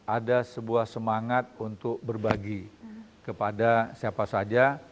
ada sebuah semangat untuk berbagi kepada siapa saja